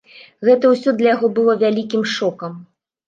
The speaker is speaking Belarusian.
Гэта ўсё для яго было вялікім шокам.